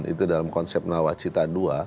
itu dalam konsep nawacita ii